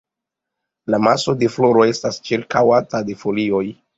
La maso de floroj estas ĉirkaŭata de folioj.